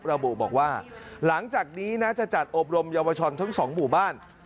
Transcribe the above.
ระบุบอกว่าหลังจากนี้นะจะจัดอบรมเยาวชนทั้งสองหมู่บ้าน